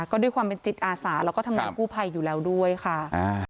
ก็ด้วยความเป็นจิตอาสาแล้วก็ทำงานกู้ภัยอยู่แล้วด้วยค่ะอ่า